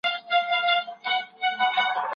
څه شی د ظالمانه رژیمونو د سقوط لامل کیږي؟